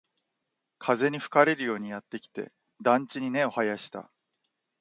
風に吹かれるようにやってきて、団地に根を生やした